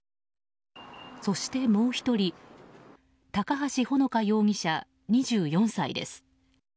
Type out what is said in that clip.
そしてもう１人高橋萌華容疑者、２４歳です。